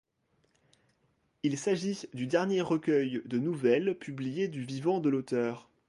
Il s'agit du dernier recueil de nouvelles publié du vivant de l'auteur.